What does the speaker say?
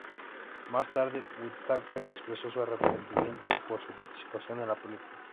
Más tarde Whitaker, expresó su arrepentimiento por su participación en la película.